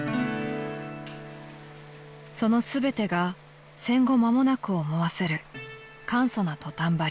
［その全てが戦後まもなくを思わせる簡素なトタン張り］